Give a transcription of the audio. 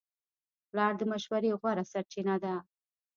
پلار د مشورې غوره سرچینه ده.